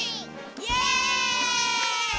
イエイ！